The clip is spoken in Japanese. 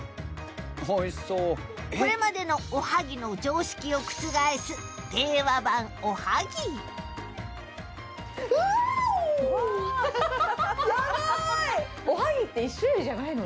これまでのおはぎの常識を覆すおはぎって。